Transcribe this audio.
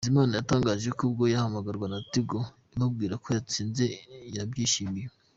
Bizimana yatangaje ko ubwo yahamagarwaga na Tigo imubwira ko yhatsinze yabyishimiye.